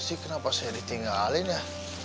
sih kenapa saya ditinggalin ya